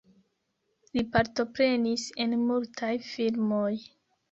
Li partoprenis en multaj filmoj.